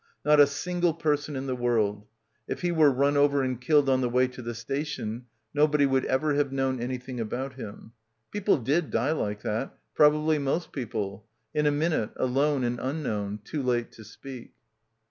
Not a single person in the world. If he wtere run over and killed on the way to the station, nobody would ever have known anything about him. ... Peo ple did die like that ... probably most people; in a minute, alone and unknown ; too late to speak.